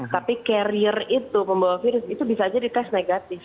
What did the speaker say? tapi carrier itu pembawa virus itu bisa jadi tes negatif